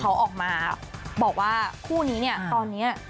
เขาออกมาบอกว่าคู่นี้เนี่ยตอนนี้